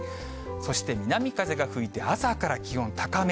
そして南風が吹いて、朝から気温、高め。